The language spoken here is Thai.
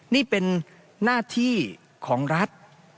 นี่เป็นหน้าที่ของรัฐ